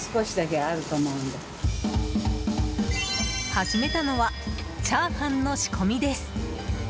始めたのはチャーハンの仕込みです。